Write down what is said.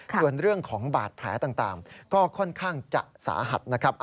ส่วนเรื่องของบาดแผลต่างก็ค่อนข้างจะสาหัสนะครับ